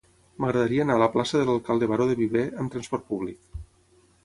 M'agradaria anar a la plaça de l'Alcalde Baró de Viver amb trasport públic.